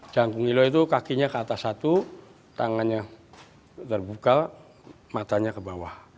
cangkung nilo itu kakinya ke atas satu tangannya terbuka matanya ke bawah